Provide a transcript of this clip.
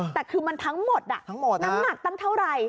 แต่คือมันทั้งหมดน้ำหนักตั้งเท่าไหร่